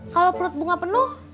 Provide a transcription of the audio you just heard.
kalau perut bunga penuh